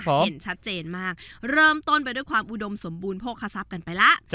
เห็นชัดเจนมากเริ่มต้นไปด้วยความอุดมสมบูรณโภคทรัพย์กันไปแล้ว